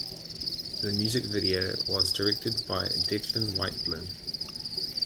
The music video was directed by Declan Whitebloom.